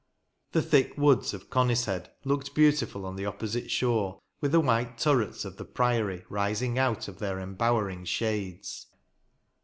The thick woods of Conishead looked beautiful on the opposite shore, with the white turrets of the Priory rising out of their embowering shades.